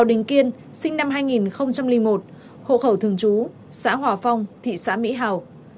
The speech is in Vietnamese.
bình kiên sinh năm hai nghìn một hộ khẩu thường chú xã hòa phong thị xã mỹ hào